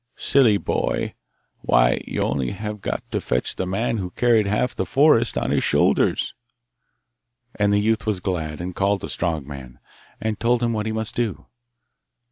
'Silly boy! Why, you have only got to fetch the man who carried half the forest on his shoulders.' And the youth was glad, and called the strong man, and told him what he must do.